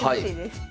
はい。